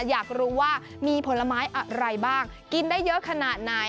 อยากรู้ว่ามีผลไม้อะไรบ้างกินได้เยอะขนาดไหน